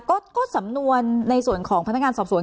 ก็สำนวนในส่วนของพนักงานสอบสวน